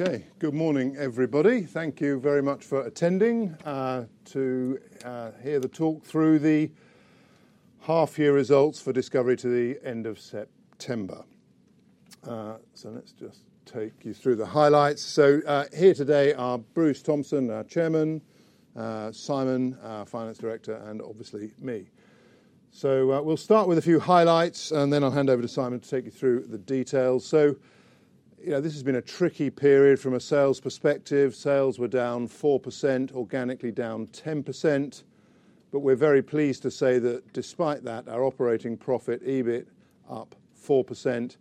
Okay, good morning, everybody. Thank you very much for attending to hear the talk through the half-year results for discoverIE to the end of September. So let's just take you through the highlights. So, here today are Bruce Thompson, our chairman, Simon, our finance director, and obviously me. So, we'll start with a few highlights, and then I'll hand over to Simon to take you through the details. So, you know, this has been a tricky period from a sales perspective. Sales were down 4%, organically down 10%, but we're very pleased to say that despite that, our operating profit, EBIT, up 4%,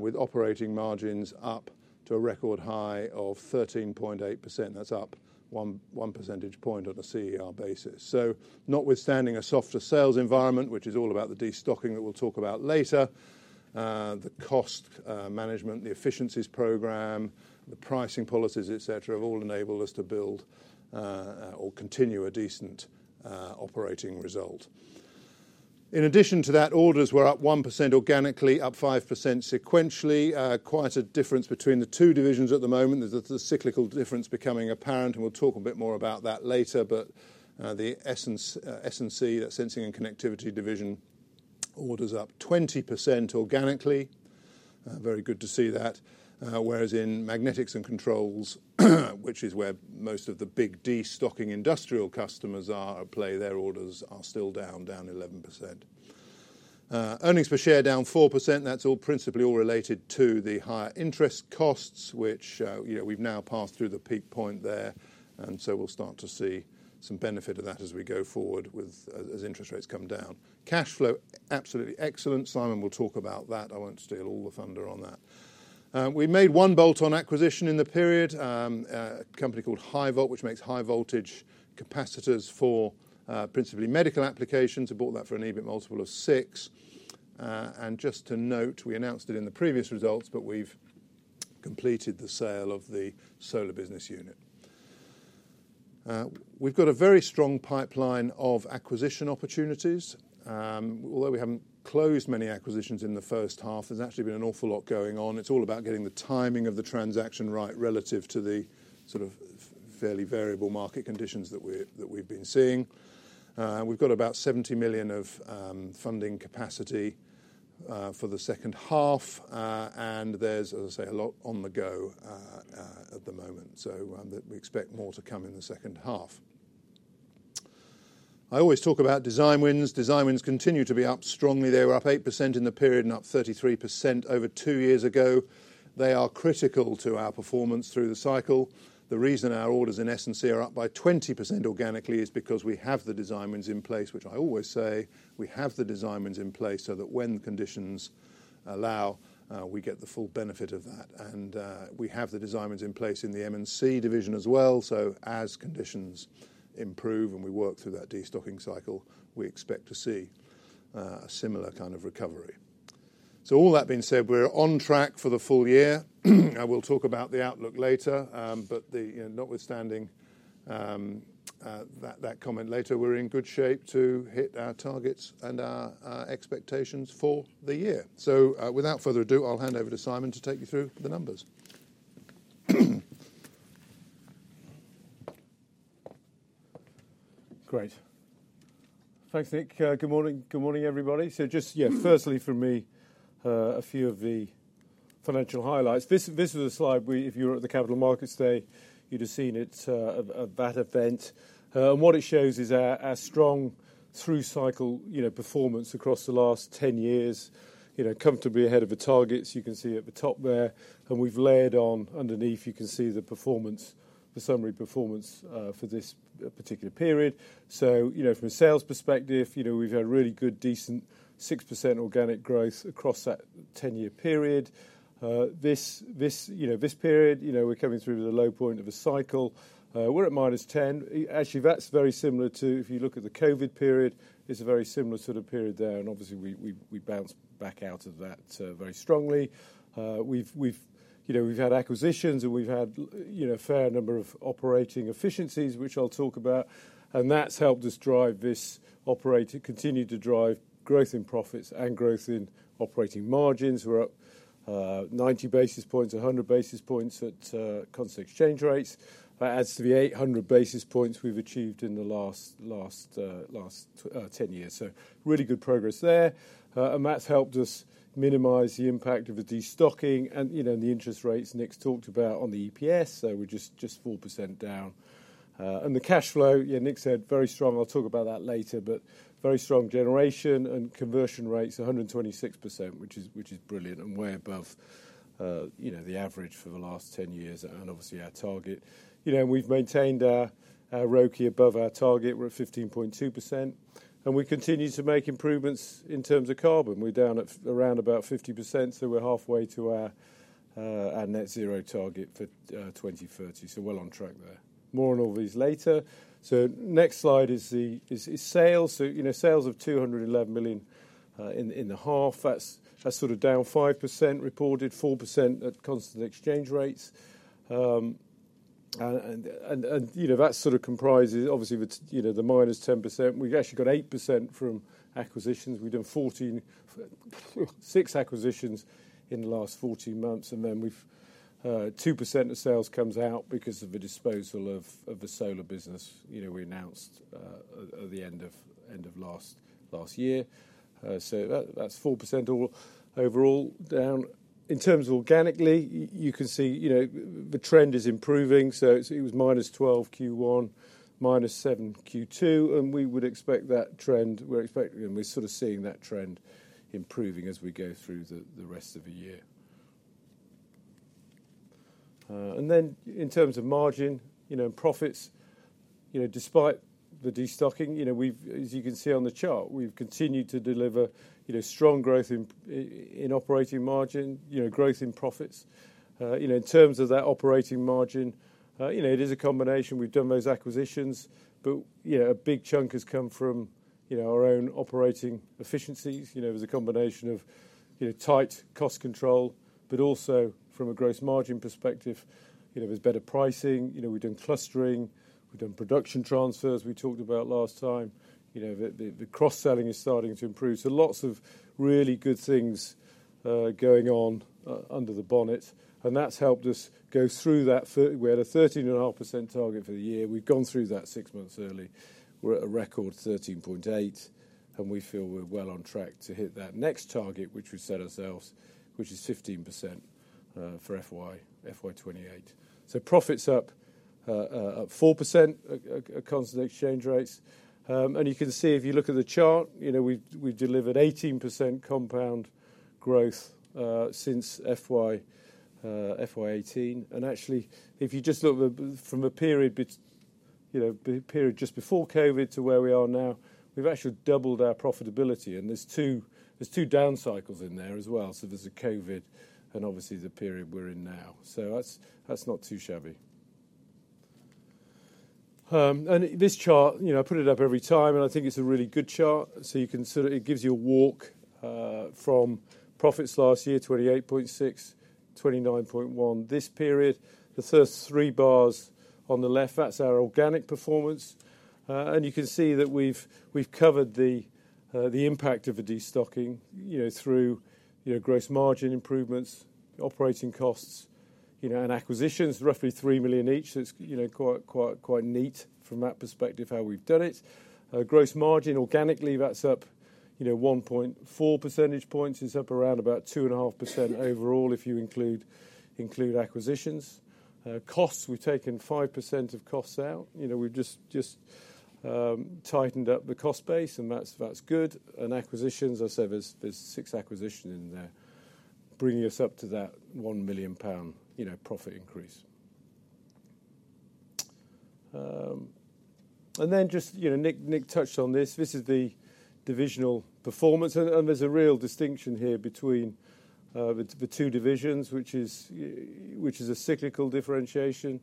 with operating margins up to a record high of 13.8%. That's up one percentage point on a CER basis. So, notwithstanding a softer sales environment, which is all about the destocking that we'll talk about later, the cost management, the efficiencies program, the pricing policies, et cetera, have all enabled us to build or continue a decent operating result. In addition to that, orders were up 1% organically, up 5% sequentially. Quite a difference between the two divisions at the moment. There's a cyclical difference becoming apparent, and we'll talk a bit more about that later, but the essence, S&C, that sensing and connectivity division, orders up 20% organically. Very good to see that. Whereas in magnetics and controls, which is where most of the big destocking industrial customers are at play, their orders are still down 11%. Earnings per share down 4%. That's all principally all related to the higher interest costs, which, you know, we've now passed through the peak point there, and so we'll start to see some benefit of that as we go forward with, as interest rates come down. Cash flow, absolutely excellent. Simon will talk about that. I won't steal all the thunder on that. We made one bolt-on acquisition in the period, a company called Hi-Volt, which makes high voltage capacitors for, principally medical applications. We bought that for an EBIT multiple of six. And just to note, we announced it in the previous results, but we've completed the sale of the solar business unit. We've got a very strong pipeline of acquisition opportunities. Although we haven't closed many acquisitions in the first half, there's actually been an awful lot going on. It's all about getting the timing of the transaction right relative to the sort of fairly variable market conditions that we've been seeing. We've got about 70 million of funding capacity for the second half, and there's, as I say, a lot on the go at the moment. So, that we expect more to come in the second half. I always talk about design wins. Design wins continue to be up strongly. They were up 8% in the period and up 33% over two years ago. They are critical to our performance through the cycle. The reason our orders in S&C are up by 20% organically is because we have the design wins in place, which I always say. We have the design wins in place so that when the conditions allow, we get the full benefit of that. We have the design wins in place in the M&C division as well. As conditions improve and we work through that destocking cycle, we expect to see a similar kind of recovery. All that being said, we're on track for the full year. We'll talk about the outlook later, but the, you know, notwithstanding, that, that comment later, we're in good shape to hit our targets and our expectations for the year. Without further ado, I'll hand over to Simon to take you through the numbers. Great. Thanks, Nick. Good morning. Good morning, everybody. So, just, yeah, firstly from me, a few of the financial highlights. This was a slide we, if you were at the Capital Markets Day, you'd have seen it, at that event. And what it shows is our strong through cycle, you know, performance across the last 10 years, you know, comfortably ahead of the targets you can see at the top there. And we've layered on underneath, you can see the performance, the summary performance, for this particular period. So, you know, from a sales perspective, you know, we've had really good, decent 6% organic growth across that 10-year period. This, you know, this period, you know, we're coming through with a low point of a cycle. We're at minus 10. Actually, that's very similar to, if you look at the COVID period, it's a very similar sort of period there. And obviously, we bounced back out of that, very strongly. We've had acquisitions and we've had, you know, a fair number of operating efficiencies, which I'll talk about. And that's helped us drive this operating, continue to drive growth in profits and growth in operating margins. We're up 90 basis points, 100 basis points at constant exchange rates. That adds to the 800 basis points we've achieved in the last 10 years. So, really good progress there. And that's helped us minimize the impact of the destocking and, you know, the interest rates Nick talked about on the EPS. So, we're just 4% down. And the cash flow, yeah, Nick said, very strong. I'll talk about that later, but very strong generation and conversion rates, 126%, which is brilliant and way above, you know, the average for the last 10 years and obviously our target. You know, we've maintained our ROCE above our target. We're at 15.2%. And we continue to make improvements in terms of carbon. We're down at around about 50%. So, we're halfway to our net zero target for 2030. So, well on track there. More on all these later. So, next slide is sales. So, you know, sales of 211 million in the half. That's sort of down 5%, reported 4% at constant exchange rates. And you know, that sort of comprises, obviously, with, you know, the minus 10%. We've actually got 8% from acquisitions. We've done 14, six acquisitions in the last 14 months. Then we've 2% of sales comes out because of the disposal of the solar business. You know, we announced at the end of last year, so that's 4% overall down. In terms of organically, you can see, you know, the trend is improving, so it was minus 12% Q1, minus 7% Q2. We would expect that trend, we're expecting, and we're sort of seeing that trend improving as we go through the rest of the year, and then in terms of margin, you know, and profits, you know, despite the destocking, you know, we've, as you can see on the chart, we've continued to deliver, you know, strong growth in operating margin, you know, growth in profits. You know, in terms of that operating margin, you know, it is a combination. We've done those acquisitions, but, you know, a big chunk has come from, you know, our own operating efficiencies. You know, there's a combination of, you know, tight cost control, but also from a gross margin perspective, you know, there's better pricing. You know, we've done clustering, we've done production transfers. We talked about last time, you know, the cross-selling is starting to improve. So, lots of really good things going on under the bonnet, and that's helped us go through that. We had a 13.5% target for the year. We've gone through that six months early. We're at a record 13.8%, and we feel we're well on track to hit that next target, which we've set ourselves, which is 15%, for FY 2028. Profits up 4% at constant exchange rates. And you can see if you look at the chart, you know, we've delivered 18% compound growth since FY 2018. Actually, if you just look from a period just before COVID to where we are now, we've actually doubled our profitability. There's two down cycles in there as well. So there's a COVID and obviously the period we're in now. That's not too shabby. And this chart, you know, I put it up every time, and I think it's a really good chart. So you can sort of, it gives you a walk from profits last year, 28.6, 29.1 this period. The first three bars on the left, that's our organic performance. And you can see that we've covered the impact of the destocking, you know, through you know, gross margin improvements, operating costs, you know, and acquisitions, roughly 3 million each. It's you know, quite neat from that perspective how we've done it. Gross margin organically, that's up, you know, 1.4 percentage points. It's up around about 2.5% overall if you include acquisitions. Costs, we've taken 5% of costs out. You know, we've just tightened up the cost base, and that's good. And acquisitions, I said, there's six acquisitions in there, bringing us up to that 1 million pound, you know, profit increase. And then just, you know, Nick touched on this. This is the divisional performance. And there's a real distinction here between the two divisions, which is a cyclical differentiation.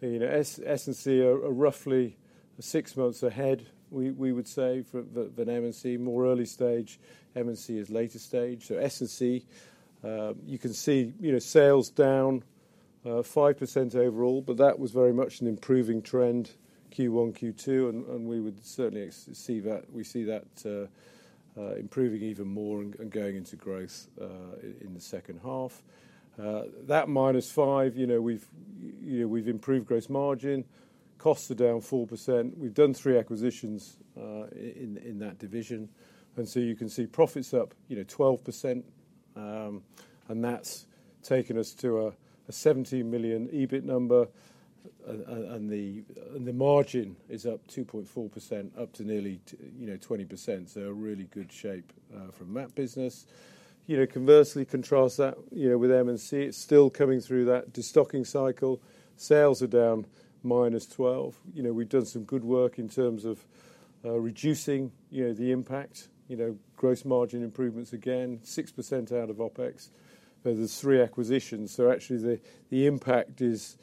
You know, S&C are roughly six months ahead, we would say for an M&C more early stage, M&C is later stage. So, S&C, you can see, you know, sales down 5% overall, but that was very much an improving trend Q1, Q2. And we would certainly see that, we see that improving even more and going into growth in the second half. That minus five, you know, we've improved gross margin, costs are down 4%. We've done three acquisitions in that division. And so, you can see profits up 12%. And that's taken us to a 17 million EBIT number. And the margin is up 2.4%, up to nearly, you know, 20%. So, a really good shape from that business. You know, conversely, contrast that, you know, with M&C, it's still coming through that destocking cycle. Sales are down -12%. You know, we've done some good work in terms of reducing, you know, the impact, you know, gross margin improvements again, 6% out of OpEx. There's three acquisitions. So, actually, the impact is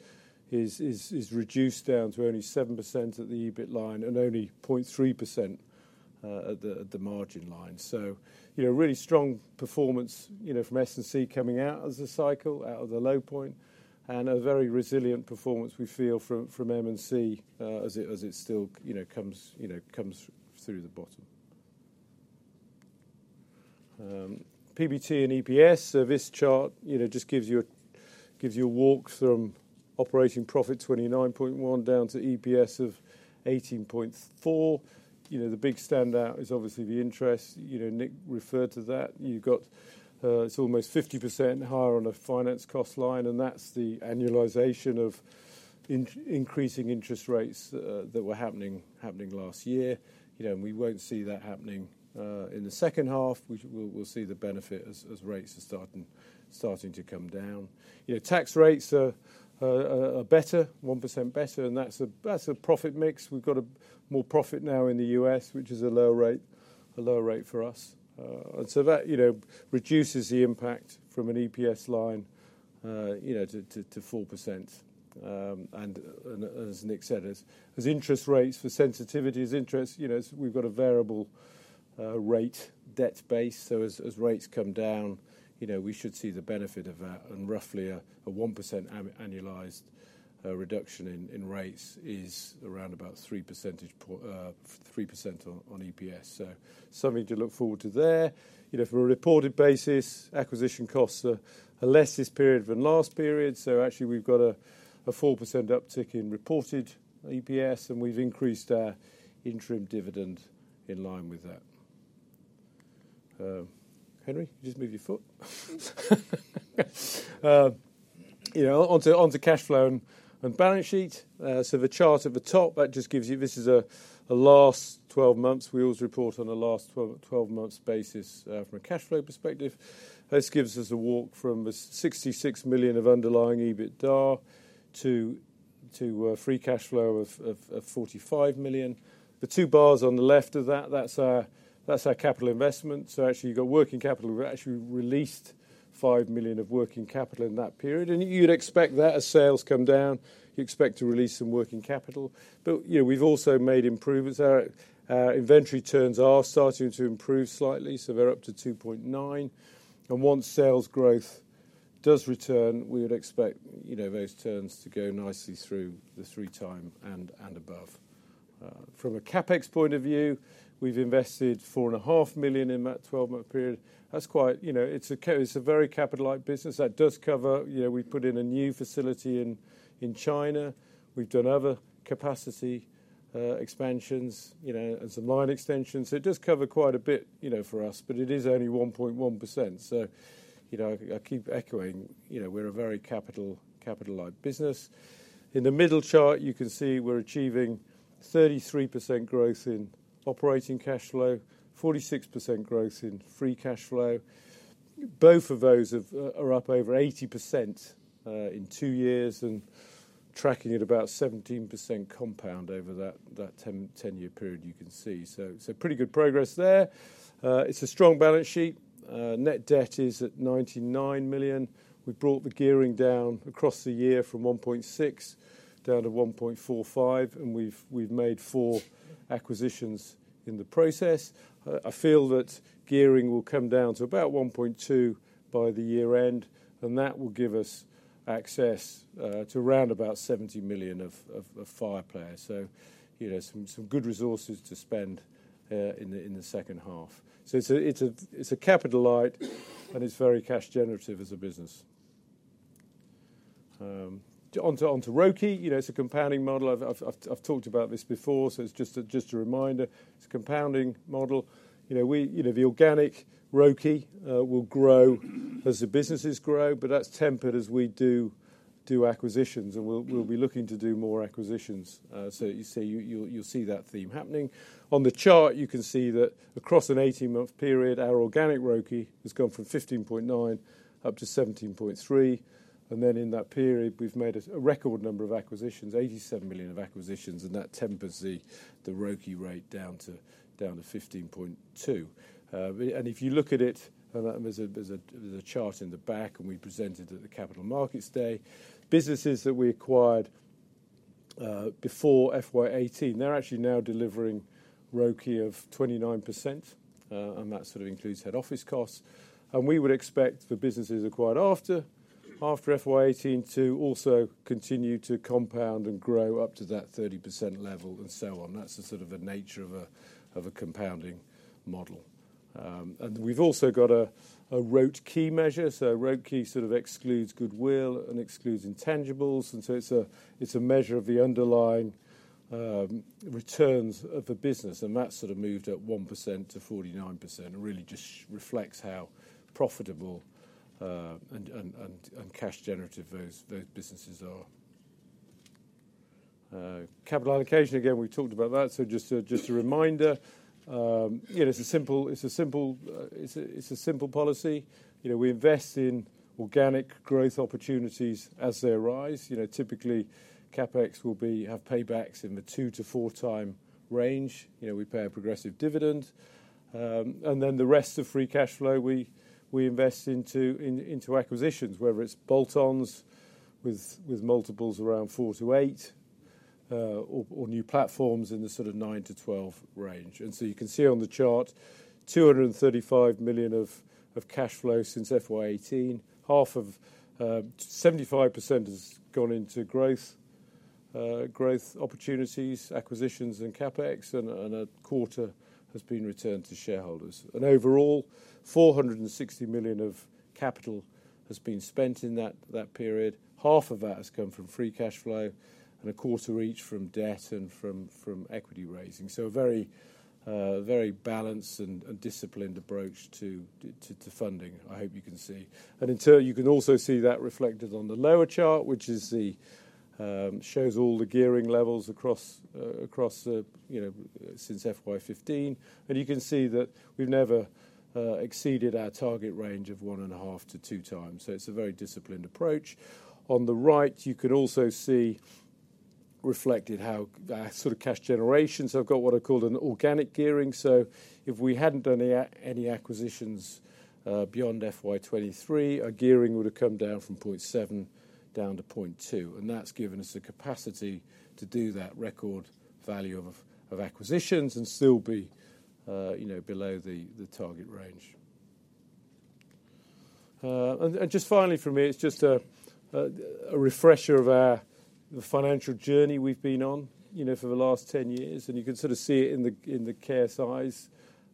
reduced down to only 7% at the EBIT line and only 0.3% at the margin line. So, you know, really strong performance, you know, from S&C coming out of the cycle, out of the low point, and a very resilient performance we feel from M&C, as it still, you know, comes through the bottom. PBT and EPS. So, this chart, you know, just gives you a walk from operating profit 29.1 down to EPS of 18.4. You know, the big standout is obviously the interest. You know, Nick referred to that. You've got it's almost 50% higher on a finance cost line. And that's the annualization of increasing interest rates that were happening last year. You know, and we won't see that happening in the second half. We will, we'll see the benefit as rates are starting to come down. You know, tax rates are better, 1% better. And that's a profit mix. We've got a more profit now in the U.S., which is a low rate for us. And so that you know reduces the impact from an EPS line, you know, to 4%. And as Nick said, as interest rates for sensitivity as interest, you know, we've got a variable rate debt base. So, as rates come down, you know, we should see the benefit of that. And roughly a 1% annualized reduction in rates is around about 3% on EPS. Something to look forward to there. You know, from a reported basis, acquisition costs are less this period than last period. Actually, we've got a 4% uptick in reported EPS, and we've increased our interim dividend in line with that. Henry, you just moved your foot. You know, onto cash flow and balance sheet, so the chart at the top, that just gives you. This is a last 12 months. We always report on a last 12 months basis, from a cash flow perspective. This gives us a walk from 66 million of underlying EBITDA to free cash flow of 45 million. The two bars on the left of that, that's our capital investment. So, actually, you've got working capital. We've actually released 5 million of working capital in that period. And you'd expect that as sales come down, you expect to release some working capital. But, you know, we've also made improvements. Our inventory turns are starting to improve slightly. So, they're up to 2.9. And once sales growth does return, we would expect, you know, those turns to go nicely through the three times and above. From a CapEx point of view, we've invested 4.5 million in that 12-month period. That's quite, you know, it's a very capital-like business that does cover, you know, we've put in a new facility in China. We've done other capacity expansions, you know, and some line extensions. So, it does cover quite a bit, you know, for us, but it is only 1.1%. So, you know, I keep echoing, you know, we're a very capital-like business. In the middle chart, you can see we're achieving 33% growth in operating cash flow, 46% growth in free cash flow. Both of those are up over 80% in two years and tracking at about 17% compound over that 10-year period, you can see. So pretty good progress there. It's a strong balance sheet. Net debt is at 99 million. We brought the gearing down across the year from 1.6 down to 1.45. And we've made four acquisitions in the process. I feel that gearing will come down to about 1.2 by the year end. And that will give us access to around about 70 million of firepower. You know, some good resources to spend in the second half. It's a capital-like, and it's very cash-generative as a business. Onto ROCE, you know, it's a compounding model. I've talked about this before. It's just a reminder. It's a compounding model. You know, the organic ROCE will grow as the businesses grow, but that's tempered as we do acquisitions. We'll be looking to do more acquisitions. You see, you'll see that theme happening. On the chart, you can see that across an 18-month period, our organic ROCE has gone from 15.9 up to 17.3. Then in that period, we've made a record number of acquisitions, 87 million of acquisitions. That tempers the ROCE rate down to 15.2. And if you look at it, and that there's a chart in the back, and we presented at the Capital Markets Day, businesses that we acquired before FY 18, they're actually now delivering ROCE of 29%. And that sort of includes head office costs. And we would expect the businesses acquired after FY 18 to also continue to compound and grow up to that 30% level and so on. That's the sort of a compounding model. And we've also got a ROTCE measure. So, ROTCE sort of excludes goodwill and excludes intangibles. And so, it's a measure of the underlying returns of the business. And that's sort of moved at 1% to 49%. It really just reflects how profitable and cash-generative those businesses are. Capital allocation, again, we've talked about that. Just a reminder. You know, it's a simple policy. You know, we invest in organic growth opportunities as they arise. You know, typically, CapEx will have paybacks in the two- to four-time range. You know, we pay a progressive dividend, and then the rest of free cash flow we invest into acquisitions, whether it's bolt-ons with multiples around four- to eight-, or new platforms in the sort of nine- to twelve-range. So you can see on the chart, 235 million of cash flow since FY 2018. 75% has gone into growth opportunities, acquisitions and CapEx. And a quarter has been returned to shareholders. Overall, 460 million of capital has been spent in that period. Half of that has come from free cash flow and a quarter each from debt and from equity raising. So, a very, very balanced and disciplined approach to funding. I hope you can see, and in turn, you can also see that reflected on the lower chart, which shows all the gearing levels across, you know, since FY 2015, and you can see that we've never exceeded our target range of one and a half to two times, so it's a very disciplined approach. On the right, you can also see reflected how our sort of cash generation, so I've got what I call an organic gearing. So, if we hadn't done any acquisitions, beyond FY 2023, our gearing would have come down from 0.7 down to 0.2. And that's given us the capacity to do that record value of acquisitions and still be, you know, below the target range. And just finally for me, it's just a refresher of the financial journey we've been on, you know, for the last 10 years. And you can sort of see it in the CERs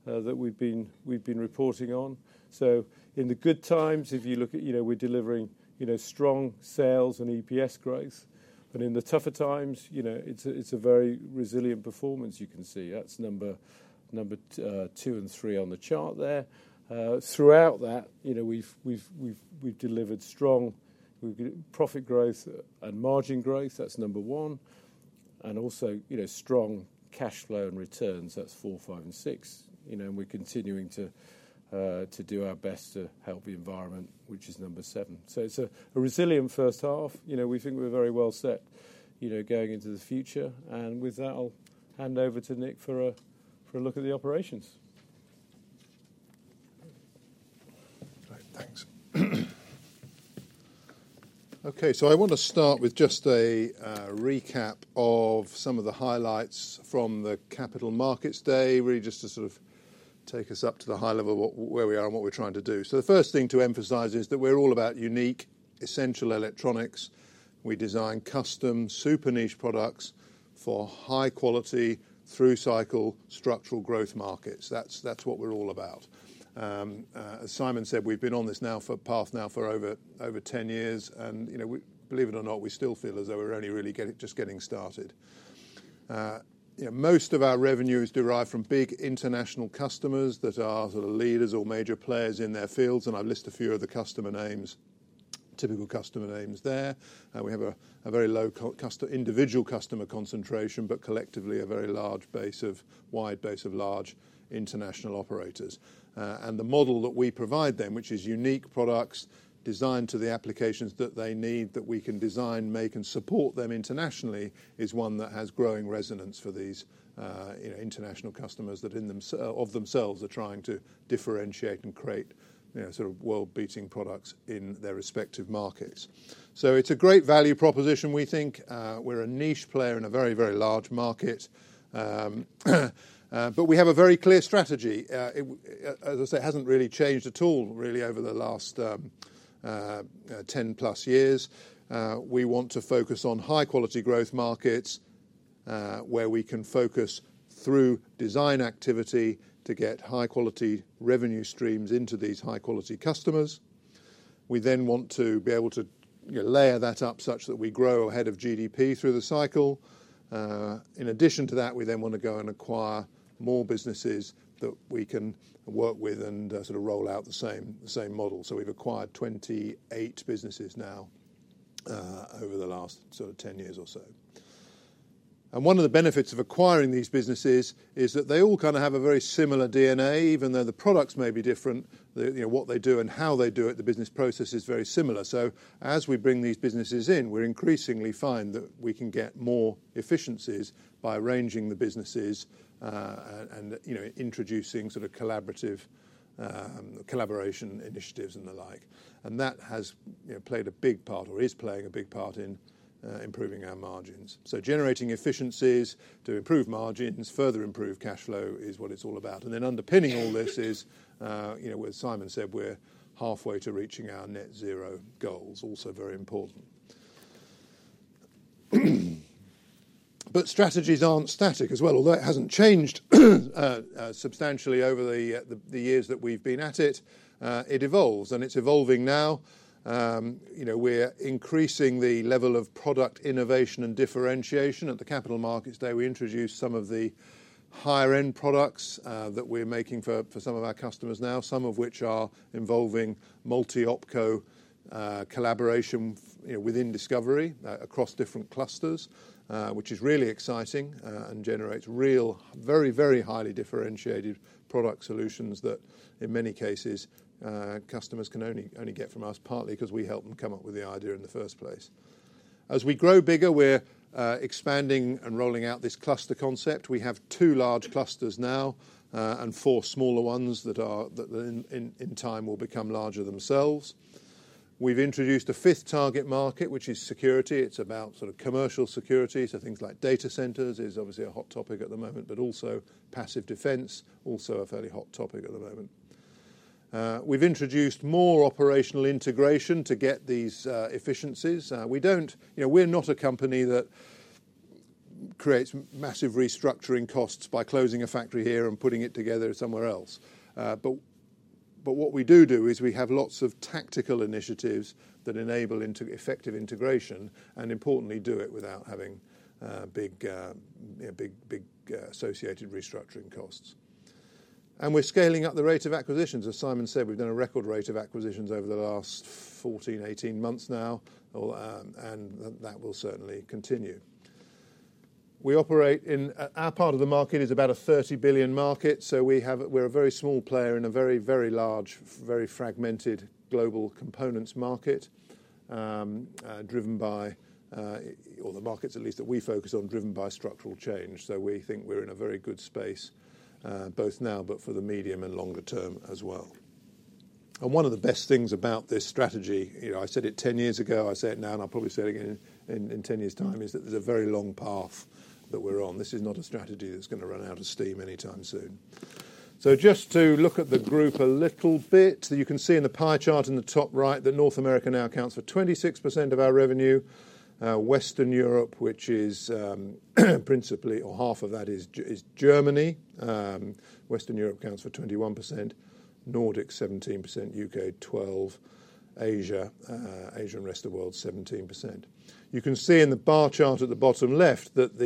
that we've been reporting on. So, in the good times, if you look at, you know, we're delivering, you know, strong sales and EPS growth. But in the tougher times, you know, it's a very resilient performance you can see. That's number two and three on the chart there. Throughout that, you know, we've delivered strong, we've got profit growth and margin growth. That's number one. And also, you know, strong cash flow and returns. That's four, five, and six, you know, and we're continuing to do our best to help the environment, which is number seven. So, it's a resilient first half. You know, we think we're very well set, you know, going into the future. And with that, I'll hand over to Nick for a look at the operations. All right, thanks. Okay, so I want to start with just a recap of some of the highlights from the Capital Markets Day, really just to sort of take us up to the high level of what, where we are and what we're trying to do. So, the first thing to emphasize is that we're all about unique, essential electronics. We design custom super niche products for high quality through cycle structural growth markets. That's what we're all about. As Simon said, we've been on this now for the past now for over, over 10 years. And, you know, we believe it or not, we still feel as though we're only really getting, just getting started. You know, most of our revenue is derived from big international customers that are sort of leaders or major players in their fields. And I've listed a few of the customer names, typical customer names there. And we have a, a very low customer individual customer concentration, but collectively a very large base of wide base of large international operators. And the model that we provide them, which is unique products designed to the applications that they need, that we can design, make, and support them internationally, is one that has growing resonance for these, you know, international customers that in themselves, of themselves are trying to differentiate and create, you know, sort of world-beating products in their respective markets. So, it's a great value proposition, we think. We're a niche player in a very, very large market. But we have a very clear strategy. It, as I say, hasn't really changed at all, really, over the last 10 plus years. We want to focus on high quality growth markets, where we can focus through design activity to get high quality revenue streams into these high quality customers. We then want to be able to, you know, layer that up such that we grow ahead of GDP through the cycle. In addition to that, we then want to go and acquire more businesses that we can work with and, sort of roll out the same, the same model. So, we've acquired 28 businesses now, over the last sort of 10 years or so. And one of the benefits of acquiring these businesses is that they all kind of have a very similar DNA, even though the products may be different, the, you know, what they do and how they do it, the business process is very similar. So, as we bring these businesses in, we're increasingly find that we can get more efficiencies by arranging the businesses, and, and, you know, introducing sort of collaborative, collaboration initiatives and the like. And that has, you know, played a big part or is playing a big part in, improving our margins. So, generating efficiencies to improve margins, further improve cash flow is what it's all about. And then underpinning all this is, you know, as Simon said, we're halfway to reaching our Net Zero goals, also very important. But strategies aren't static as well, although it hasn't changed substantially over the years that we've been at it. It evolves and it's evolving now. You know, we're increasing the level of product innovation and differentiation. At the Capital Markets Day, we introduced some of the higher-end products that we're making for some of our customers now, some of which are involving multi-Opco collaboration, you know, within discoverIE, across different clusters, which is really exciting, and generates real, very, very highly differentiated product solutions that in many cases, customers can only, only get from us, partly because we help them come up with the idea in the first place. As we grow bigger, we're expanding and rolling out this cluster concept. We have two large clusters now, and four smaller ones that in time will become larger themselves. We've introduced a fifth target market, which is security. It's about sort of commercial security. So, things like data centers is obviously a hot topic at the moment, but also passive defense, also a fairly hot topic at the moment. We've introduced more operational integration to get these efficiencies. We don't, you know, we're not a company that creates massive restructuring costs by closing a factory here and putting it together somewhere else. But what we do is we have lots of tactical initiatives that enable effective integration and importantly do it without having big, you know, big associated restructuring costs. And we're scaling up the rate of acquisitions. As Simon said, we've done a record rate of acquisitions over the last 14, 18 months now, or, and that will certainly continue. We operate in, our part of the market is about a 30 billion market. So, we have, we're a very small player in a very, very large, very fragmented global components market, driven by, or the markets at least that we focus on, driven by structural change. So, we think we're in a very good space, both now, but for the medium and longer term as well. One of the best things about this strategy, you know, I said it 10 years ago, I say it now, and I'll probably say it again in 10 years' time, is that there's a very long path that we're on. This is not a strategy that's going to run out of steam anytime soon. So, just to look at the group a little bit, you can see in the pie chart in the top right that North America now accounts for 26% of our revenue. Western Europe, which is principally, or half of that is Germany. Western Europe accounts for 21%, Nordics 17%, UK 12%, Asia, Asia and rest of the world 17%. You can see in the bar chart at the bottom left that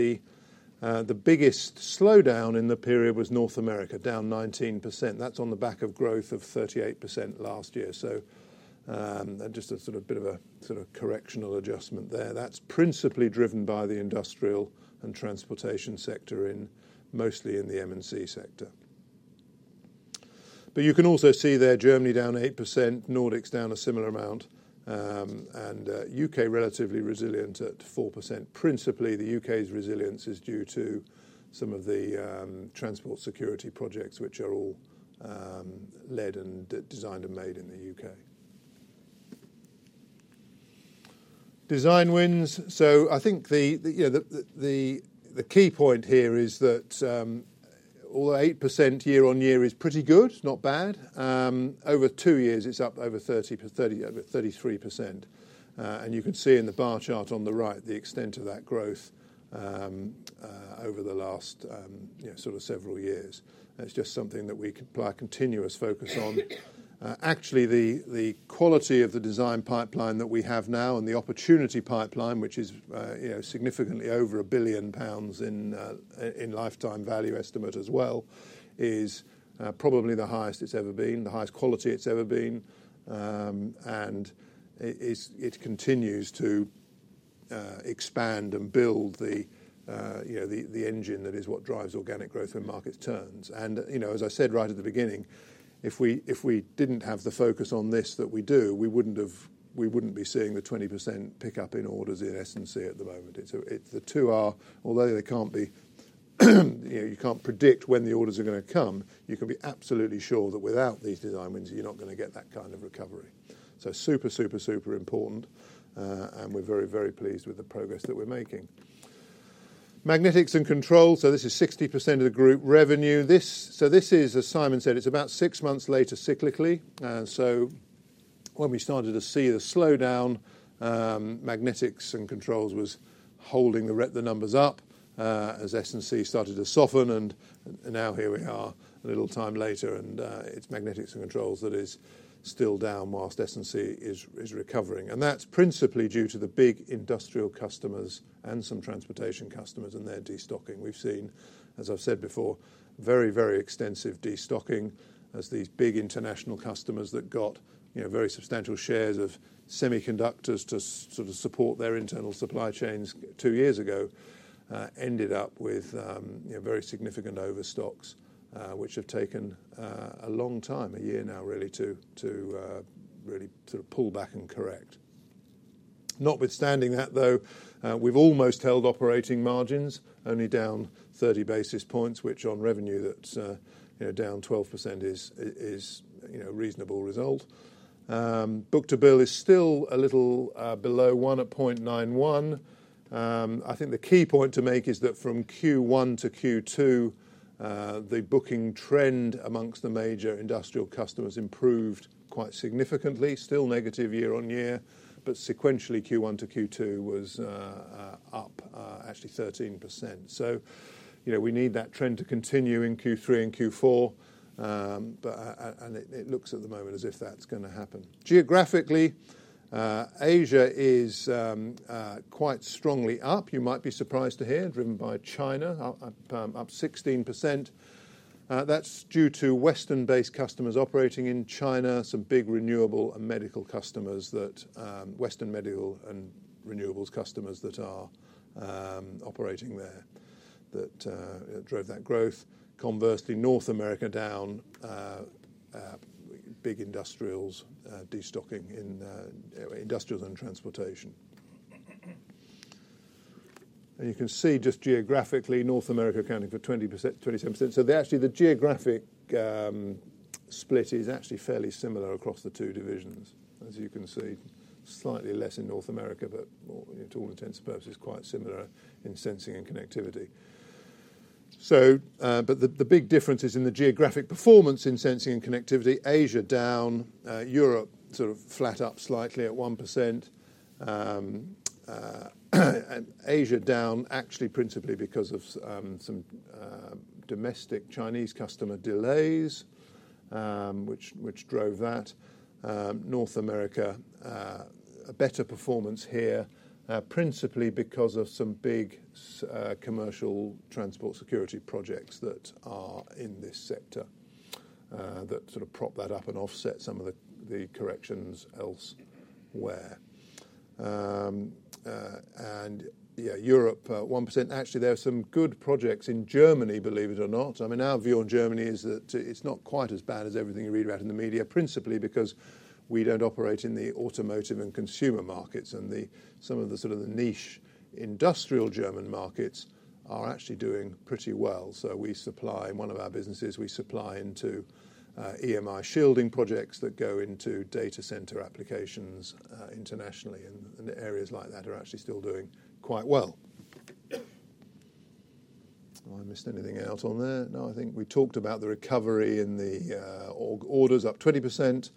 the biggest slowdown in the period was North America, down 19%. That's on the back of growth of 38% last year. So, and just a sort of bit of a sort of corrective adjustment there. That's principally driven by the industrial and transportation sector in mostly in the M&C sector. But you can also see there Germany down 8%, Nordics down a similar amount, and UK relatively resilient at 4%. Principally, the UK's resilience is due to some of the transport security projects, which are all led and designed and made in the UK. Design wins. So, I think the you know the key point here is that, although 8% year on year is pretty good, not bad, over two years it's up over 30%, over 33%. And you can see in the bar chart on the right the extent of that growth, over the last you know sort of several years. It's just something that we can apply continuous focus on. Actually the quality of the design pipeline that we have now and the opportunity pipeline, which is you know significantly over 1 billion pounds in lifetime value estimate as well, is probably the highest it's ever been, the highest quality it's ever been. And it is. It continues to expand and build the, you know, the engine that is what drives organic growth when markets turns. And, you know, as I said right at the beginning, if we, if we didn't have the focus on this that we do, we wouldn't have, we wouldn't be seeing the 20% pickup in orders in S&C at the moment. It's a, it's the two are, although they can't be, you know, you can't predict when the orders are going to come, you can be absolutely sure that without these design wins, you're not going to get that kind of recovery. So, super, super, super important. And we're very, very pleased with the progress that we're making. Magnetics and Controls. So, this is 60% of the group revenue. So this is, as Simon said, it's about six months later cyclically. And so, when we started to see the slowdown, Magnetics and Controls was holding the numbers up, as S&C started to soften. Now here we are a little time later, and it's Magnetics and Controls that is still down while S&C is recovering. And that's principally due to the big industrial customers and some transportation customers and their destocking. We've seen, as I've said before, very, very extensive destocking as these big international customers that got, you know, very substantial shares of semiconductors to sort of support their internal supply chains two years ago, ended up with, you know, very significant overstocks, which have taken a long time, a year now really to really sort of pull back and correct. Notwithstanding that though, we've almost held operating margins only down 30 basis points, which on revenue that's, you know, down 12% is, is, you know, a reasonable result. Book-to-bill is still a little below one at 0.91. I think the key point to make is that from Q1 to Q2, the booking trend amongst the major industrial customers improved quite significantly, still negative year on year, but sequentially Q1 to Q2 was up, actually 13%. So, you know, we need that trend to continue in Q3 and Q4, but, and it, it looks at the moment as if that's going to happen. Geographically, Asia is quite strongly up. You might be surprised to hear driven by China, up 16%. That's due to Western-based customers operating in China, some big renewable and medical customers that, Western medical and renewables customers that are operating there that drove that growth. Conversely, North America down, big industrials, destocking in industrials and transportation, and you can see just geographically North America accounting for 20%, 27%. They actually the geographic split is actually fairly similar across the two divisions, as you can see, slightly less in North America, but you know, to all intents and purposes, quite similar in sensing and connectivity, but the big difference is in the geographic performance in sensing and connectivity. Asia down, Europe sort of flat up slightly at 1%, and Asia down actually principally because of some domestic Chinese customer delays, which drove that. North America, a better performance here, principally because of some big commercial transport security projects that are in this sector, that sort of prop that up and offset some of the corrections elsewhere, and yeah, Europe 1%. Actually, there are some good projects in Germany, believe it or not. I mean, our view on Germany is that it's not quite as bad as everything you read about in the media, principally because we don't operate in the automotive and consumer markets and the, some of the sort of the niche industrial German markets are actually doing pretty well. So, we supply in one of our businesses, we supply into, EMI shielding projects that go into data center applications, internationally and areas like that are actually still doing quite well. I missed anything else on there? No, I think we talked about the recovery in the, orders up 20%.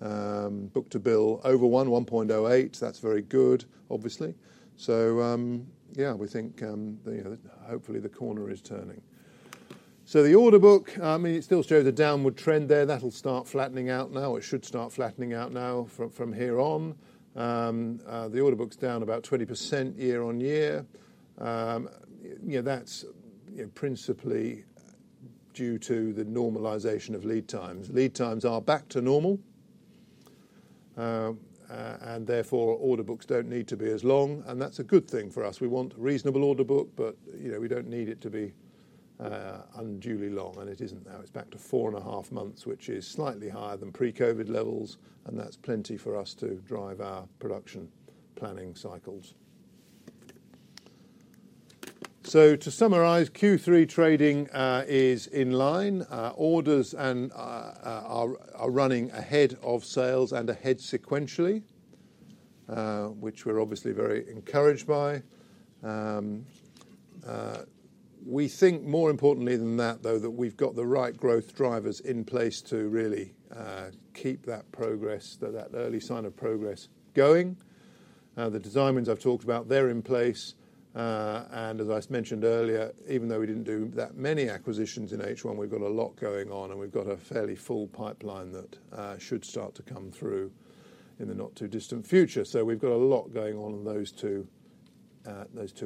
Book-to-bill over one, 1.08. That's very good, obviously. So, yeah, we think, you know, hopefully the corner is turning. So, the order book, I mean, it still shows a downward trend there. That'll start flattening out now. It should start flattening out now from here on. The order book's down about 20% year on year. You know, that's, you know, principally due to the normalization of lead times. Lead times are back to normal, and therefore order books don't need to be as long, and that's a good thing for us. We want reasonable order book, but, you know, we don't need it to be unduly long, and it isn't now. It's back to four and a half months, which is slightly higher than pre-COVID levels, and that's plenty for us to drive our production planning cycles, so to summarize, Q3 trading is in line. Orders are running ahead of sales and ahead sequentially, which we're obviously very encouraged by. We think more importantly than that, though, that we've got the right growth drivers in place to really keep that progress, that early sign of progress going. The design wins I've talked about, they're in place. And as I mentioned earlier, even though we didn't do that many acquisitions in H1, we've got a lot going on and we've got a fairly full pipeline that should start to come through in the not too distant future. So, we've got a lot going on in those two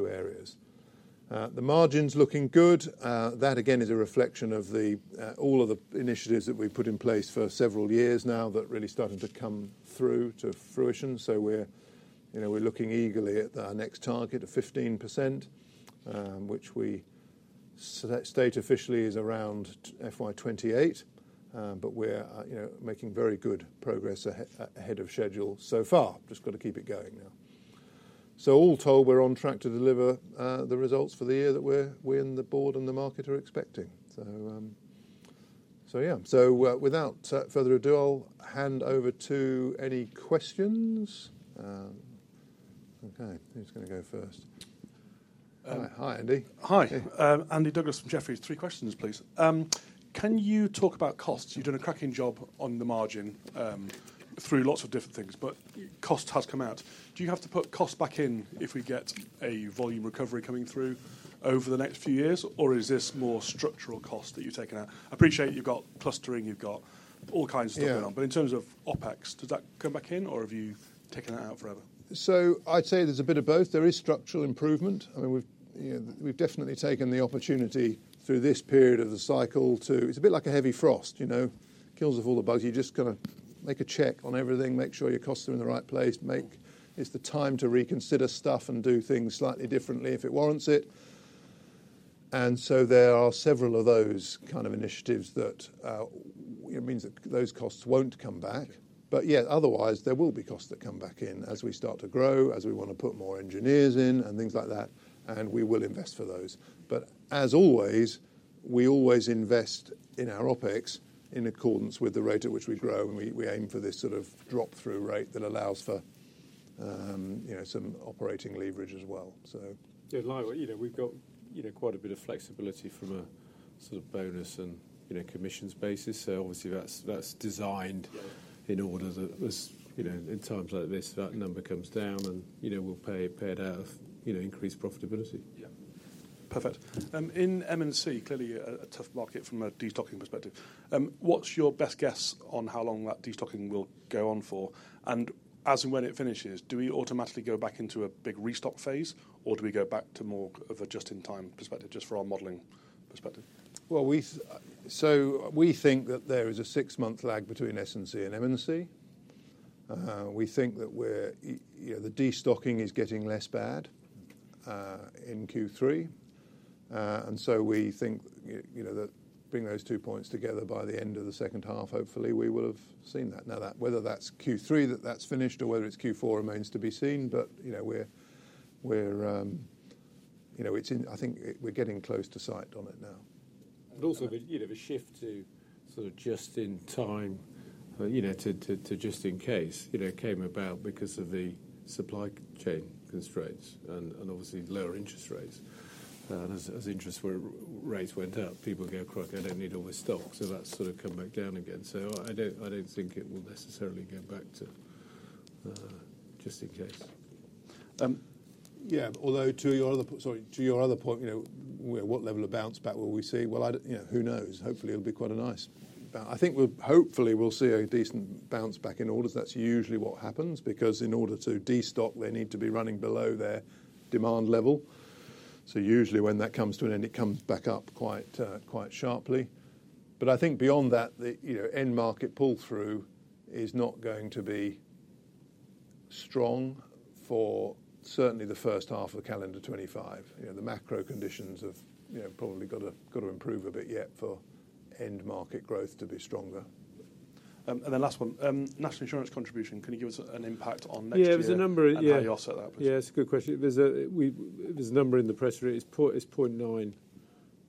areas. The margins looking good. That again is a reflection of all of the initiatives that we've put in place for several years now that really started to come through to fruition. So, we're, you know, we're looking eagerly at our next target of 15%, which we state officially is around FY28. But we're, you know, making very good progress ahead of schedule so far. Just got to keep it going now. So, all told, we're on track to deliver the results for the year that we, the board and the market are expecting. So, yeah. So, without further ado, I'll hand over to any questions. Okay. Who's going to go first? Hi, Andy. Hi. Andy Douglas from Jefferies. Three questions, please. Can you talk about costs? You've done a cracking job on the margin through lots of different things, but cost has come out. Do you have to put cost back in if we get a volume recovery coming through over the next few years, or is this more structural cost that you've taken out? I appreciate you've got clustering, you've got all kinds of stuff going on, but in terms of OpEx, does that come back in or have you taken that out forever? So, I'd say there's a bit of both. There is structural improvement. I mean, we've, you know, we've definitely taken the opportunity through this period of the cycle to, it's a bit like a heavy frost, you know, kills off all the bugs. You just kind of make a check on everything, make sure your costs are in the right place. It's the time to reconsider stuff and do things slightly differently if it warrants it. And so, there are several of those kind of initiatives that, you know, means that those costs won't come back. But yeah, otherwise there will be costs that come back in as we start to grow, as we want to put more engineers in and things like that, and we will invest for those. But as always, we always invest in our OpEx in accordance with the rate at which we grow. And we aim for this sort of drop-through rate that allows for, you know, some operating leverage as well. So, yeah, like, you know, we've got, you know, quite a bit of flexibility from a sort of bonus and, you know, commissions basis. So, obviously that's designed in order that as, you know, in times like this, that number comes down and, you know, we'll pay it out of, you know, increased profitability. Yeah. Perfect. In M&C, clearly a tough market from a destocking perspective. What's your best guess on how long that destocking will go on for? As and when it finishes, do we automatically go back into a big restock phase or do we go back to more of a just-in-time perspective, just for our modeling perspective? Well, so we think that there is a six-month lag between S&C and M&C. We think that we're, you know, the destocking is getting less bad in Q3. So we think, you know, that bring those two points together by the end of the second half, hopefully we will have seen that. Now, whether that's Q3 that's finished or whether it's Q4 remains to be seen. But, you know, we're, you know, it's ending. I think we're getting close to the end of it now. But also, you know, the shift to sort of just-in-time, you know, to just-in-case, you know, came about because of the supply chain constraints and obviously lower interest rates. And as interest rates went up, people go, "Crap, I don't need all this stock." So that's sort of come back down again. So I don't think it will necessarily go back to just-in-case. Yeah, although to your other, sorry, to your other point, you know, what level of bounce back will we see? Well, I don't, you know, who knows? Hopefully it'll be quite a nice bounce. I think we'll hopefully see a decent bounce back in orders. That's usually what happens because in order to destock, they need to be running below their demand level. So usually when that comes to an end, it comes back up quite sharply. But I think beyond that, you know, end market pull-through is not going to be strong for certainly the first half of calendar 2025. You know, the macro conditions have, you know, probably got to improve a bit yet for end market growth to be stronger. And then last one, national insurance contribution. Can you give us an impact on next year? Yeah, there's a number, yeah. I'll set that up. Yeah, it's a good question. There's a number in the pressure. It's 0.9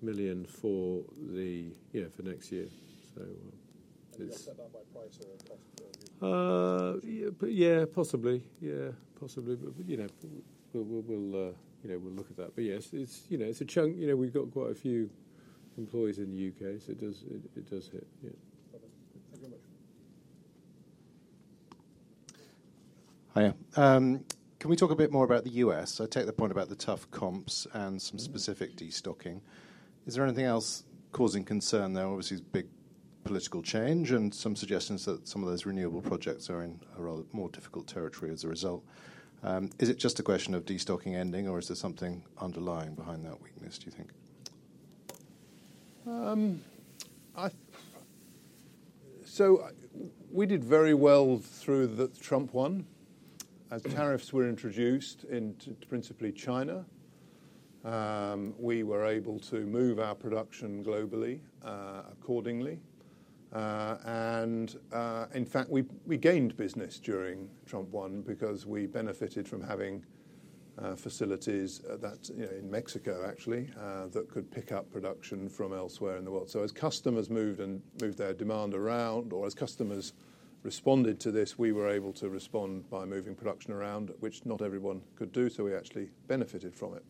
million for the, you know, for next year. So, is that set down by price or cost? Yeah, possibly. Yeah, possibly. But, you know, we'll look at that. But yes, it's, you know, it's a chunk, you know, we've got quite a few employees in the UK, so it does hit. Yeah. Thank you very much. Hiya. Can we talk a bit more about the U.S.? I take the point about the tough comps and some specific destocking. Is there anything else causing concern though? Obviously, it's big political change and some suggestions that some of those renewable projects are in a rather more difficult territory as a result. Is it just a question of destocking ending or is there something underlying behind that weakness, do you think? I, so we did very well through the Trump one. As tariffs were introduced in principally China, we were able to move our production globally, accordingly. And, in fact, we, we gained business during Trump one because we benefited from having, facilities that, you know, in Mexico actually, that could pick up production from elsewhere in the world. So, as customers moved and moved their demand around, or as customers responded to this, we were able to respond by moving production around, which not everyone could do. So, we actually benefited from it.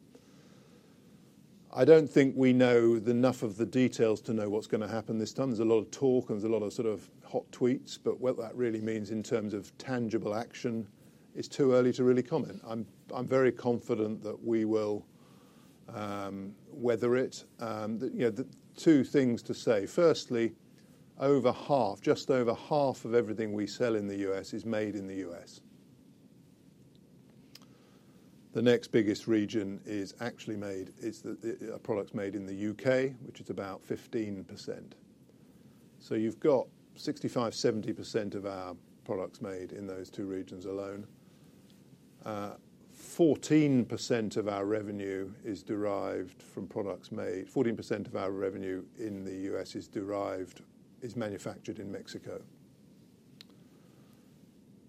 I don't think we know enough of the details to know what's going to happen this time. There's a lot of talk and there's a lot of sort of hot tweets, but what that really means in terms of tangible action is too early to really comment. I'm very confident that we will weather it. You know, the two things to say. Firstly, over half, just over half of everything we sell in the U.S. is made in the U.S. The next biggest region is actually made, is that our products made in the U.K., which is about 15%. So, you've got 65%, 70% of our products made in those two regions alone. 14% of our revenue in the U.S. is derived from products manufactured in Mexico.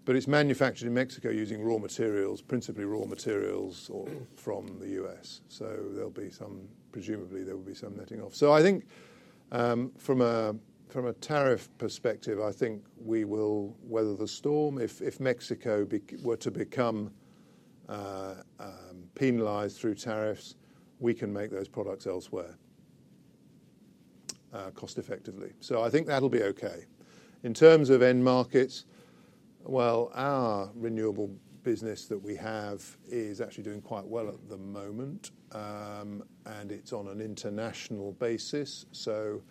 But it's manufactured in Mexico using raw materials, principally from the U.S. So, there'll be some netting off, presumably. So, I think from a tariff perspective, I think we will weather the storm. If Mexico were to become penalized through tariffs, we can make those products elsewhere, cost-effectively. So, I think that'll be okay. In terms of end markets, well, our renewable business that we have is actually doing quite well at the moment, and it's on an international basis. So,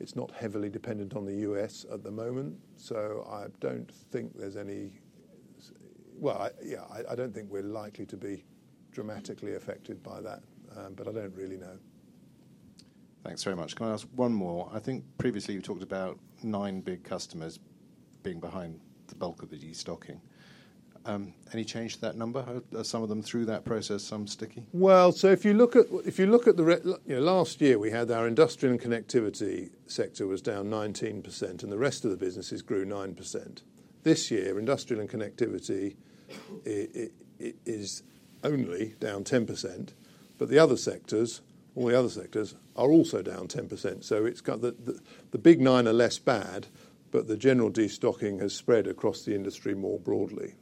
it's not heavily dependent on the U.S. at the moment. So, I don't think there's any, well, yeah, I don't think we're likely to be dramatically affected by that, but I don't really know. Thanks very much. Can I ask one more? I think previously you've talked about nine big customers being behind the bulk of the destocking. Any change to that number? Are some of them through that process, some sticky? So if you look at the, you know, last year we had our industrial and connectivity sector was down 19% and the rest of the businesses grew 9%. This year, industrial and connectivity is only down 10%, but the other sectors, all the other sectors are also down 10%. So, it's got the big nine are less bad, but the general destocking has spread across the industry more broadly.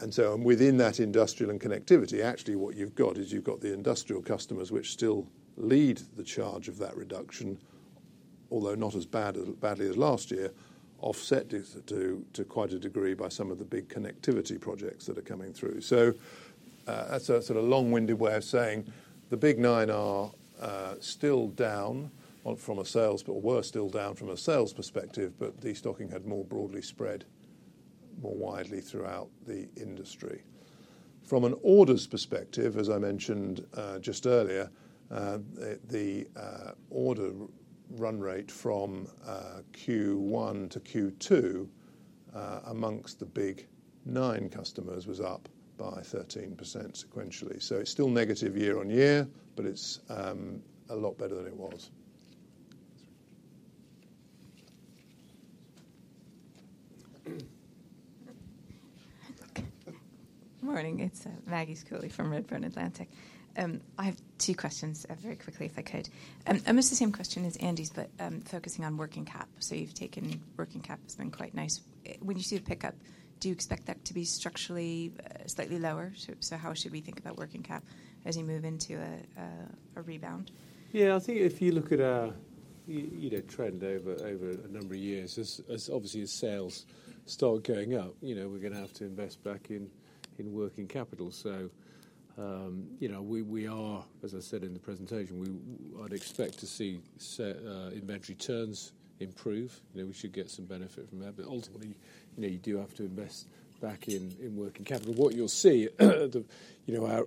And so within that industrial and connectivity, actually what you've got is you've got the industrial customers which still lead the charge of that reduction, although not as badly as last year, offset to quite a degree by some of the big connectivity projects that are coming through. So, that's a sort of long-winded way of saying the big nine are still down on sales, but still down from a sales perspective, but destocking had more broadly spread more widely throughout the industry. From an orders perspective, as I mentioned just earlier, the order run rate from Q1 to Q2 amongst the big nine customers was up by 13% sequentially. So, it's still negative year on year, but it's a lot better than it was. Good morning. It's Maggie Scully from Redburn Atlantic. I have two questions, very quickly if I could. Almost the same question as Andy's, but focusing on working cap. So, you've taken working cap; it's been quite nice. When you see the pickup, do you expect that to be structurally slightly lower? So, how should we think about working cap as you move into a rebound? Yeah, I think if you look at our trend over a number of years, as obviously sales start going up, you know, we're going to have to invest back in working capital. So, you know, we are, as I said in the presentation, I'd expect to see set inventory turns improve. You know, we should get some benefit from that. But ultimately, you know, you do have to invest back in working capital. What you'll see, you know,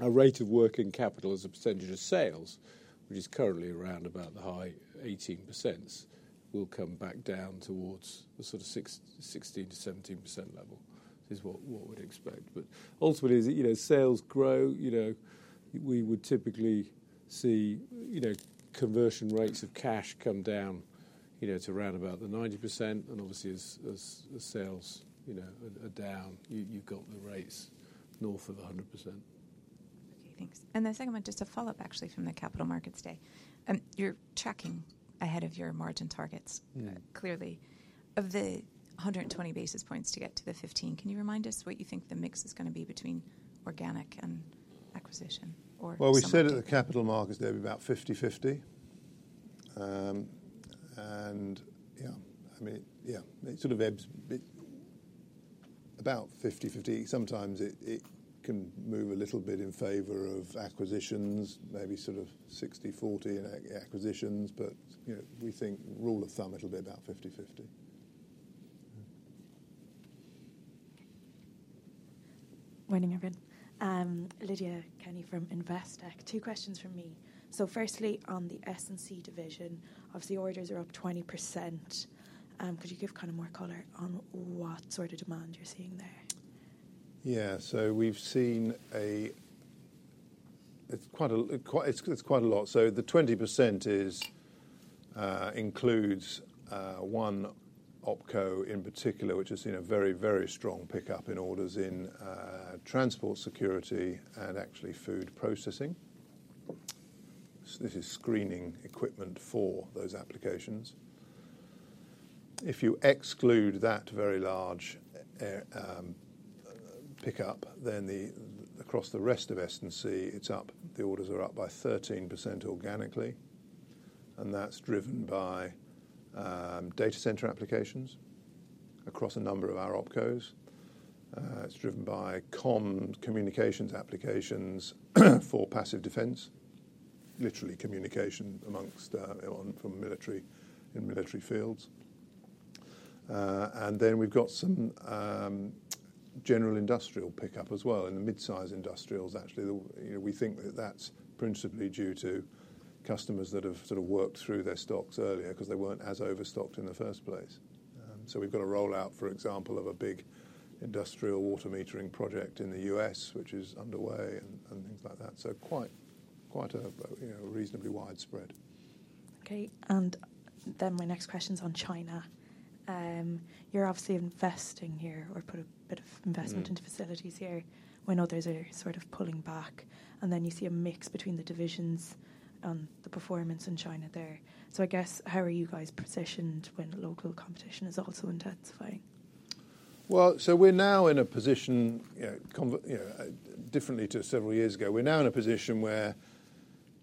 our rate of working capital as a percentage of sales, which is currently around about the high 18%, will come back down towards the sort of 16%-17% level. This is what we'd expect. But ultimately, you know, sales grow, you know, we would typically see, you know, conversion rates of cash come down, you know, to around about the 90%. And obviously, as sales, you know, are down, you've got the rates north of 100%. Okay, thanks. And the second one, just a follow-up actually from the capital markets day. You're tracking ahead of your margin targets, clearly, of the 120 basis points to get to the 15. Can you remind us what you think the mix is going to be between organic and acquisition? Or, well, we said at the capital markets there'd be about 50/50. Yeah, I mean, it sort of ebbs about 50/50. Sometimes it can move a little bit in favor of acquisitions, maybe sort of 60/40 in acquisitions. But you know, we think rule of thumb, it'll be about 50/50. Lydia Kenny from Investec. Two questions from me. So, firstly, on the S&C division, obviously orders are up 20%. Could you give kind of more color on what sort of demand you're seeing there? Yeah, so we've seen, it's quite a lot. So, the 20% includes one Opco in particular, which has seen a very strong pickup in orders in transport security and actually food processing. This is screening equipment for those applications. If you exclude that very large pickup, then across the rest of S&C, the orders are up by 13% organically. And that's driven by data center applications across a number of our opcos. It's driven by communications applications for passive defense, literally communication amongst from military in military fields. And then we've got some general industrial pickup as well in the mid-size industrials. Actually, you know, we think that that's principally due to customers that have sort of worked through their stocks earlier because they weren't as overstocked in the first place. So we've got a rollout, for example, of a big industrial water metering project in the US, which is underway and things like that. So quite a, you know, reasonably widespread. Okay. And then my next question is on China. You're obviously investing here or put a bit of investment into facilities here when others are sort of pulling back. And then you see a mix between the divisions and the performance in China there. So, I guess, how are you guys positioned when local competition is also intensifying? Well, so we're now in a position, you know, differently to several years ago. We're now in a position where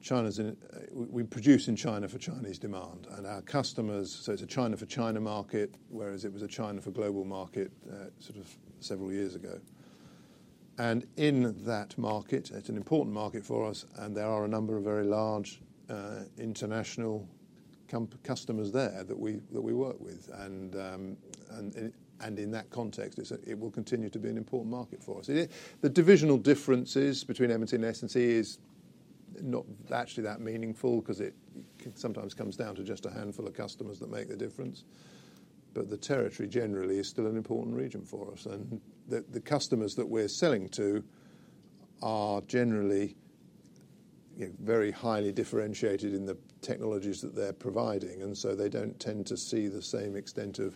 China's in, we produce in China for Chinese demand and our customers, so it's a China for China market, whereas it was a China for global market, sort of several years ago. And in that market, it's an important market for us. And there are a number of very large, international customers there that we work with. And in that context, it will continue to be an important market for us. The divisional differences between M&C and S&C is not actually that meaningful because it sometimes comes down to just a handful of customers that make the difference. But the territory generally is still an important region for us. And the customers that we're selling to are generally, you know, very highly differentiated in the technologies that they're providing. And so, they don't tend to see the same extent of,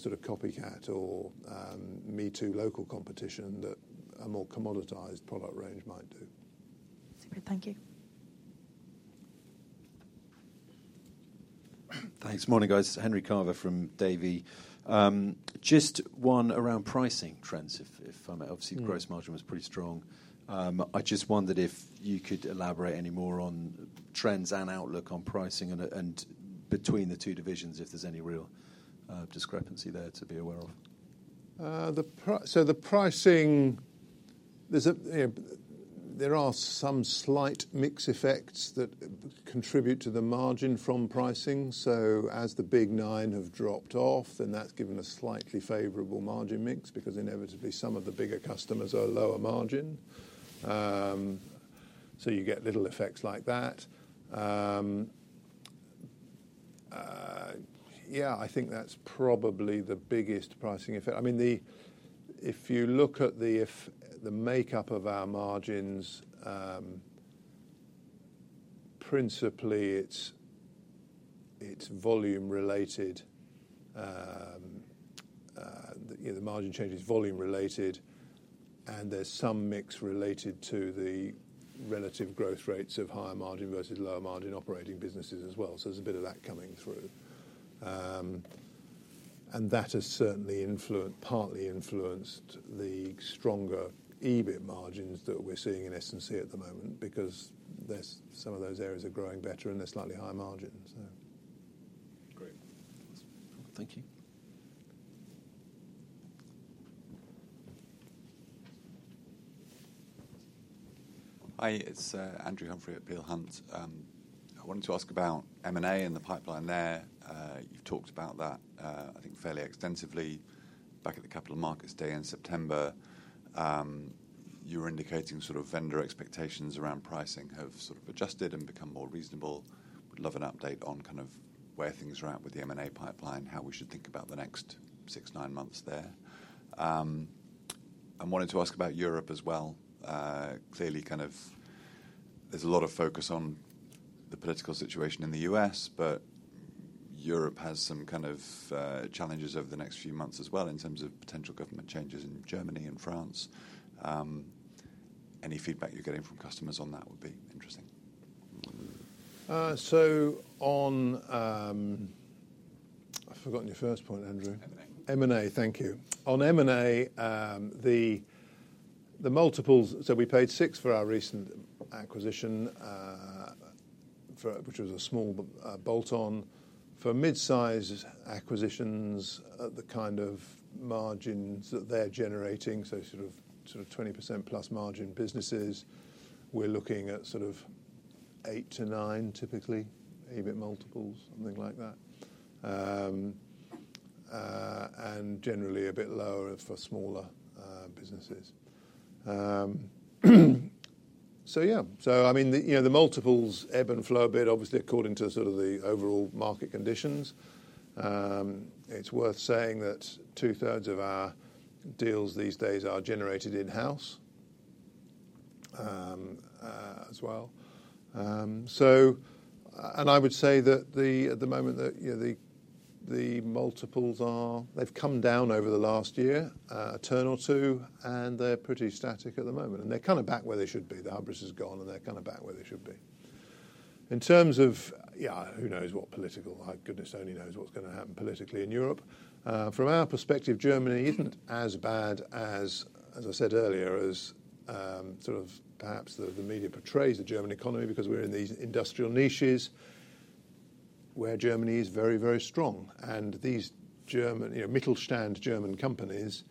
sort of copycat or, me too local competition that a more commoditized product range might do. Thank you. Thanks. Morning guys. Henry Carver from Davy. Just one around pricing trends. If I'm obviously the gross margin was pretty strong. I just wondered if you could elaborate any more on trends and outlook on pricing and, and between the two divisions, if there's any real, discrepancy there to be aware of. The price, so the pricing, there's a, you know, there are some slight mix effects that contribute to the margin from pricing. So, as the big nine have dropped off, then that's given a slightly favorable margin mix because inevitably some of the bigger customers are lower margin. So you get little effects like that. Yeah, I think that's probably the biggest pricing effect. I mean, if you look at the makeup of our margins, principally it's volume related, you know, the margin change is volume related and there's some mix related to the relative growth rates of higher margin versus lower margin operating businesses as well. So, there's a bit of that coming through. And that has certainly influenced, partly influenced the stronger EBIT margins that we're seeing in S&C at the moment because there's some of those areas are growing better and they're slightly high margins. Great. Thank you. Hi, it's Andrew Humphrey at Peel Hunt. I wanted to ask about M&A and the pipeline there. You've talked about that, I think fairly extensively back at the Capital Markets Day in September. You were indicating sort of vendor expectations around pricing have sort of adjusted and become more reasonable. Would love an update on kind of where things are at with the M&A pipeline, how we should think about the next six, nine months there. I wanted to ask about Europe as well. Clearly kind of there's a lot of focus on the political situation in the U.S., but Europe has some kind of challenges over the next few months as well in terms of potential government changes in Germany and France. Any feedback you're getting from customers on that would be interesting. So on, I've forgotten your first point, Andrew. M&A. M&A, thank you. On M&A, the multiples, so we paid six for our recent acquisition, which was a small bolt-on for mid-size acquisitions, the kind of margins that they're generating. So, sort of 20% plus margin businesses. We're looking at sort of eight-to-nine typically EBIT multiples, something like that. And generally a bit lower for smaller businesses. So yeah, so I mean, you know, the multiples ebb and flow a bit, obviously according to sort of the overall market conditions. It's worth saying that two-thirds of our deals these days are generated in-house, as well. So, and I would say that at the moment, you know, the multiples are, they've come down over the last year, a turn or two, and they're pretty static at the moment. And they're kind of back where they should be. The hubris has gone and they're kind of back where they should be. In terms of, yeah, who knows what political. Goodness only knows what's going to happen politically in Europe. From our perspective, Germany isn't as bad as I said earlier, sort of perhaps the media portrays the German economy because we're in these industrial niches where Germany is very, very strong. And these German, you know, Mittelstand German companies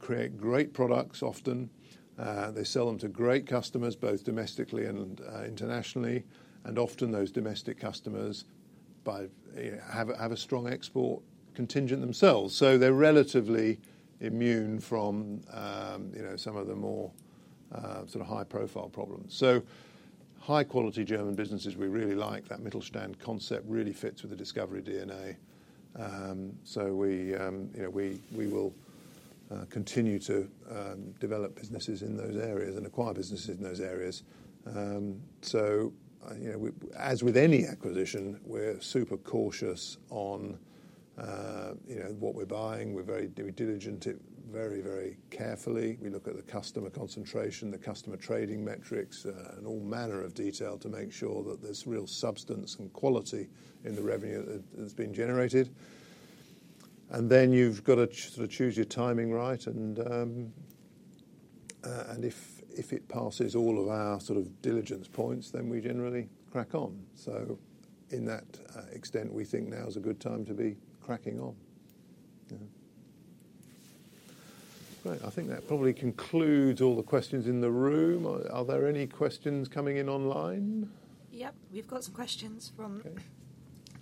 create great products often. They sell them to great customers, both domestically and internationally. And often those domestic customers buy, you know, have a strong export contingent themselves. So, they're relatively immune from, you know, some of the more, sort of high-profile problems. So, high-quality German businesses, we really like that Mittelstand concept really fits with the discoverIE DNA. So we, you know, we will continue to develop businesses in those areas and acquire businesses in those areas. You know, as with any acquisition, we're super cautious on, you know, what we're buying. We're very diligent, very, very carefully. We look at the customer concentration, the customer trading metrics, and all manner of detail to make sure that there's real substance and quality in the revenue that's been generated. Then you've got to sort of choose your timing right. If it passes all of our sort of diligence points, then we generally crack on. To that extent, we think now is a good time to be cracking on. Yeah. Great. I think that probably concludes all the questions in the room. Are there any questions coming in online? Yep. We've got some questions from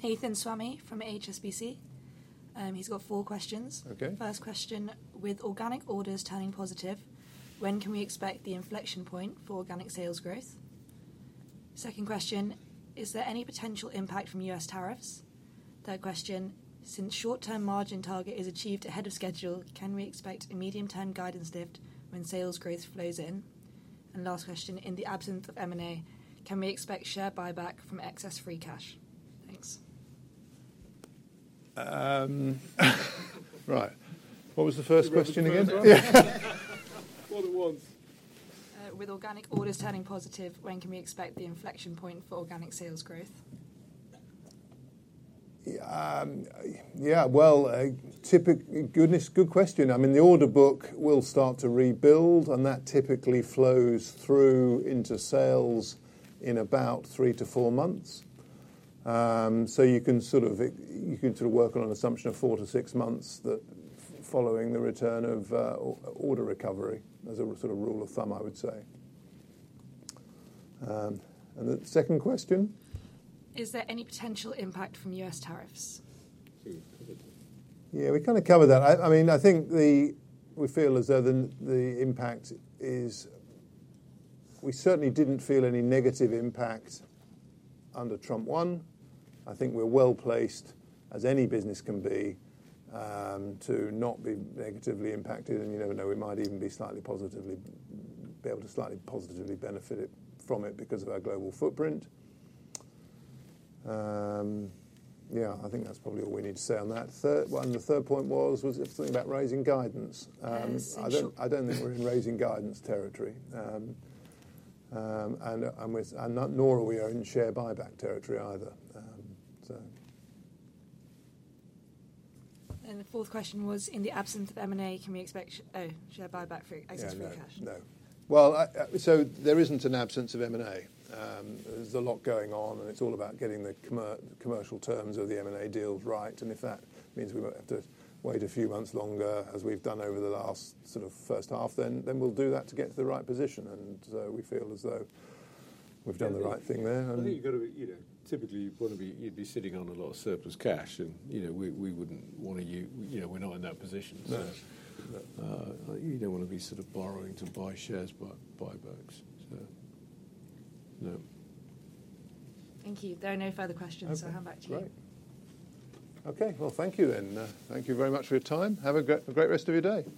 Nathan Swamy from HSBC. He's got four questions. Okay. First question, with organic orders turning positive, when can we expect the inflection point for organic sales growth? Second question, is there any potential impact from U.S. tariffs? Third question, since short-term margin target is achieved ahead of schedule, can we expect a medium-term guidance lift when sales growth flows in? And last question, in the absence of M&A, can we expect share buyback from excess free cash? Thanks. Right. What was the first question again? Yeah. What it was. With organic orders turning positive, when can we expect the inflection point for organic sales growth? Yeah, well, typically, goodness, good question. I mean, the order book will start to rebuild, and that typically flows through into sales in about three to four months. So you can sort of work on an assumption of four to six months following the return of order recovery as a sort of rule of thumb, I would say, and the second question. Is there any potential impact from U.S. tariffs? Yeah, we kind of covered that. I mean, I think we feel as though the impact is. We certainly didn't feel any negative impact under Trump one. I think we're well placed, as any business can be, to not be negatively impacted. You never know, we might even be able to slightly positively benefit from it because of our global footprint. Yeah, I think that's probably all we need to say on that. Third one, the third point was it's something about raising guidance. I don't think we're in raising guidance territory. Nor are we in share buyback territory either. The fourth question was, in the absence of M&A, can we expect share buyback for excess free cash? No. No. There isn't an absence of M&A. There's a lot going on, and it's all about getting the commercial terms of the M&A deals right. If that means we might have to wait a few months longer, as we've done over the last sort of first half, then we'll do that to get to the right position. We feel as though we've done the right thing there. I think you've got to, you know, typically you'd want to be sitting on a lot of surplus cash. You know, we wouldn't want to. You know, we're not in that position. So, you don't want to be sort of borrowing to buy shares by buybacks. So, no. Thank you. There are no further questions, so I'll come back to you. Okay. Well, thank you then. Thank you very much for your time. Have a great rest of your day.